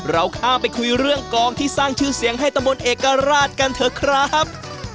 เราข้ามไปคุยเรื่องกองที่สร้างชื่อเสียงให้ตะบนเอกราชกันเถอะครับ